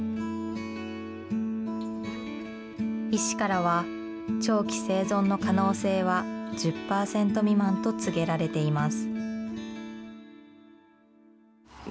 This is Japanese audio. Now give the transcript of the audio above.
医師からは、長期生存の可能性は１０％未満と告げられています。